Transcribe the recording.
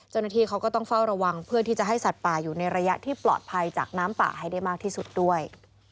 เจ้าหน้าที่เขาก็ต้องเฝ้าระวังเพื่อที่จะให้สัตว์ป่าอยู่ในระยะที่ปลอดภัยจากน้ำป่าให้ได้มากที่สุดด้วย